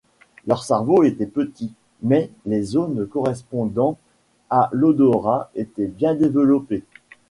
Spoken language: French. Leur cerveau était petit, mais les zones correspondant à l'odorat étaient bien développées.